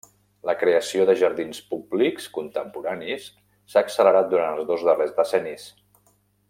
La creació de Jardins Públics contemporanis s'ha accelerat durant els dos darrers decennis.